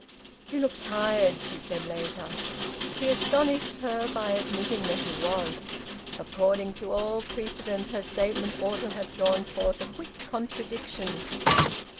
"You look tired," she said later. He astonished her by admitting that he was. According to all precedent her statement ought to have drawn forth a quick contradiction.